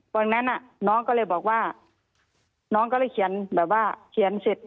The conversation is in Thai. วันนั้นน้องก็เลยบอกว่าน้องก็เลยเขียนเสร็จ